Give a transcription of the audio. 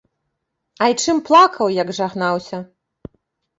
Айчым плакаў, як жагнаўся.